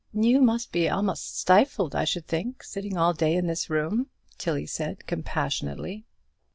"You must be a'most stifled, I should think, sitting all day in this room," Tilly said, compassionately.